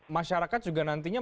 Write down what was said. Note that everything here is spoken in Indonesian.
masyarakat juga nantinya